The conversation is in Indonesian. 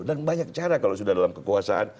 dan banyak cara kalau sudah dalam kekuasaan